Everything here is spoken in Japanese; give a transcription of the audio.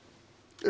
え！